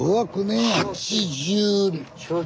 ８０。